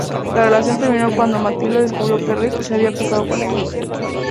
La relación terminó cuando Matilda descubrió que Ric se había acostado con ella.